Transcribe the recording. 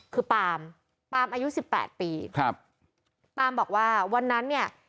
คือปามปามอายุสิบแปดปีครับปามบอกว่าวันนั้นเนี่ย